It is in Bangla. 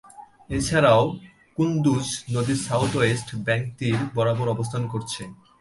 এছাড়াও কুন্দুজ নদীর সাউথ-ওয়েস্ট ব্যাংক তীর বরাবর অবস্থান করছে।